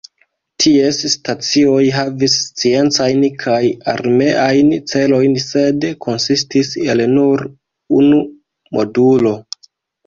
Ties stacioj havis sciencajn kaj armeajn celojn sed konsistis el nur unu modulo.